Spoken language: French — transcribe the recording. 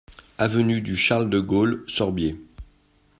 Avenue du Charles de Gaulle, Sorbiers